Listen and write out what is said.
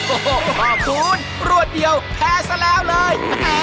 โอ้โห๕๐รวดเดียวแพ้ซะแล้วเลย